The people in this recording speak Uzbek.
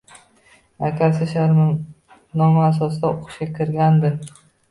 Akasi shartnoma asosida o`qishga kirgandi